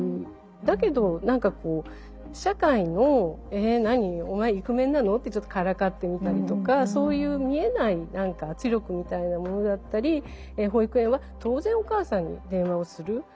だけど何かこう社会の「えなにお前イクメンなの？」ってちょっとからかってみたりとかそういう見えない圧力みたいなものだったり保育園は当然お母さんに電話をする。